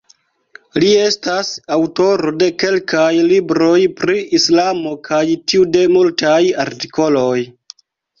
Li estas aŭtoro de kelkaj libroj pri islamo kaj tiu de multaj artikoloj.